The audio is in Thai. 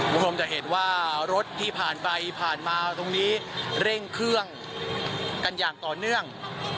คุณผู้ชมจะเห็นว่ารถที่ผ่านไปผ่านมาตรงนี้เร่งเครื่องกันอย่างต่อเนื่อง